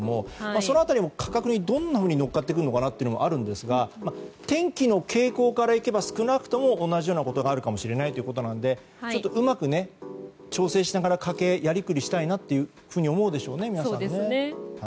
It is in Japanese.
その辺りも価格にどんなふうに乗っかってくるのかというのもあるんですが天気の傾向からいけば少なくとも同じようなことがあるかもしれないのでうまく調整しながら家計をやりくりしたいなと思うでしょうね、皆さん。